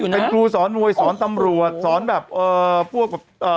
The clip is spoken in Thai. อยู่น่ะกลูศอดร่วยสอนตำรวจสอนแบบเอ่อพวกเอ่อ